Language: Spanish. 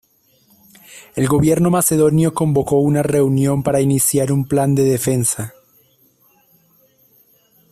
El gobierno macedonio convocó una reunión para iniciar un plan de defensa.